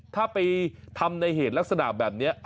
ถ้าไปทำในเหตุลักษณะแบบนี้